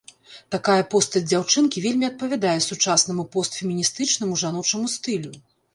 Такая постаць дзяўчынкі вельмі адпавядае сучаснаму постфеміністычнаму жаночаму стылю.